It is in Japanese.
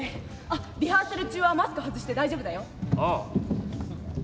あっリハーサル中はマスク外して大丈夫だよ。ああ。